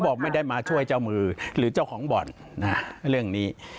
บอกไม่ได้มาช่วยเจ้ามือหรือเจ้าของบ่อนเรื่องนี้